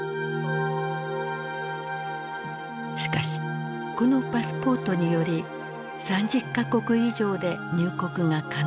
しかしこのパスポートにより３０か国以上で入国が可能となる。